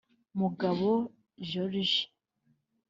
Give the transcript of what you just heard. Mugabo George